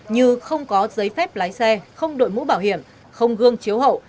như không có giấy phép lái xe không đội mũ bảo hiểm không gương chiếu hậu